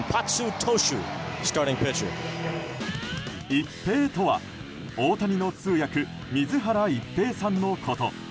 イッペイとは、大谷の通訳水原一平さんのこと。